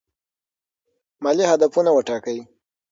مالي هدفونه وټاکئ.